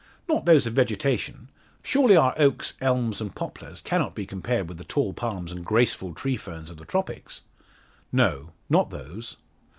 "Not those of vegetation! Surely our oaks, elms, and poplars cannot be compared with the tall palms and graceful tree ferns of the tropics?" "No; not those."